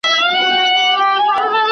¬ د لېوني څخه ئې مه غواړه، مې ورکوه.